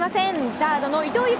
サードの伊藤裕